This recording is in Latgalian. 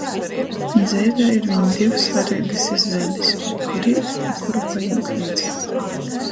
Dzeivē ir viņ div svareigys izvēlis - kur īt i kuru pajimt leidza.